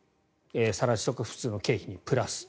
更地とか普通の経費にプラス。